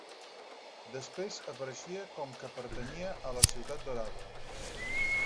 Després apareixia com que pertanyia a la ciutat d'Orava.